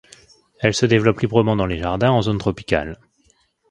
Elle se développe librement dans les jardins en zones tropicales.